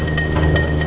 kenapa papa belum pulang